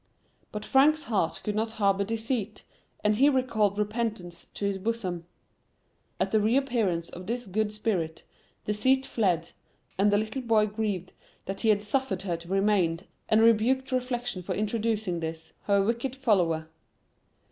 But Frank's heart could not harbor Deceit, and he recalled Repentance to his bosom. At the re appearance of this good spirit, Deceit fled, and the little boy grieved that he had suffered her to remain, and rebuked Reflection for introducing this, her wicked follower.